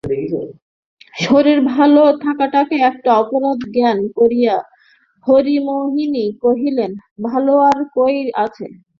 শরীর ভালো থাকাটাকে একটা অপবাদ জ্ঞান করিয়া হরিমোহিনী কহিলেন, ভালো আর কই আছে!